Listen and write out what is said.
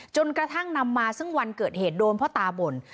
จนกระทั่งนำมาซึ่งวันเกิดเหตุโดนพ่อตาบ่น